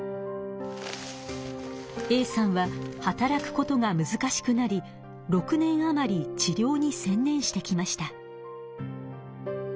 Ａさんは働くことがむずかしくなり６年あまり治りょうにせん念してきました。